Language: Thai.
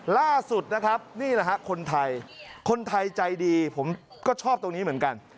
ล่าสุดนะครับนี่แหละฮะคนไทยคนไทยใจดีผมก็ชอบตรงนี้เหมือนกัน